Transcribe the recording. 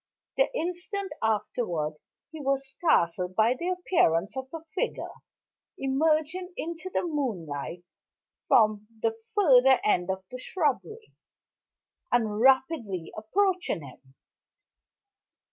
The instant afterward he was startled by the appearance of a figure, emerging into the moonlight from the further end of the shrubbery, and rapidly approaching him.